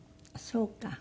そうか。